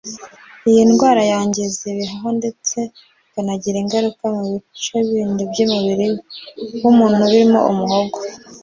Iyi ndwara yangiza ibihaha ndetse ikanagira ingaruka ku bindi bice by’umubiri w’umuntu birimo umuhogo